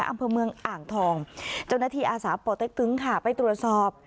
อำเภอเมืองอ่างทองเจ้าหน้าที่อาสาป่อเต็กตึงค่ะไปตรวจสอบ